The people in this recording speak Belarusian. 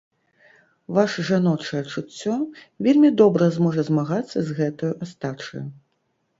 Ваша жаночае чуццё вельмі добра зможа змагацца з гэтаю астачаю.